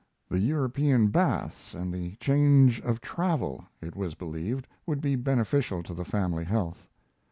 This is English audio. The European baths and the change of travel it was believed would be beneficial to the family health.